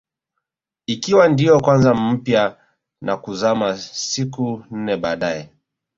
Ikiwa ndio kwanza mpya na kuzama siku nne baadae